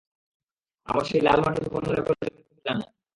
আমার সেই লাল মাটির পনের একর জমি কথা তো জানেন।